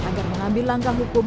agar mengambil langkah hukum